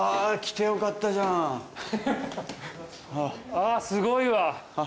あすごいわ。